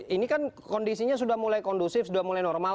ini kan kondisinya sudah mulai kondusif sudah mulai normal